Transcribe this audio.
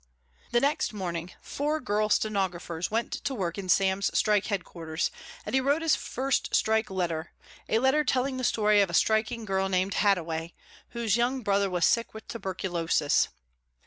The next morning four girl stenographers went to work in Sam's strike headquarters, and he wrote his first strike letter, a letter telling the story of a striking girl named Hadaway, whose young brother was sick with tuberculosis.